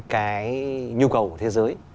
cái nhu cầu của thế giới